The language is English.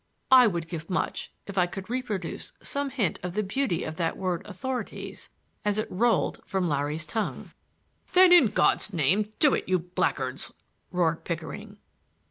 (I would give much if I could reproduce some hint of the beauty of that word authorities as it rolled from Larry's tongue!) "Then, in God's name, do it, you blackguards!" roared Pickering.